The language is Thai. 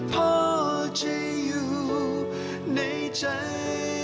พ่อจะอยู่ในใจ